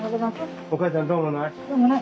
お母ちゃんどうもない？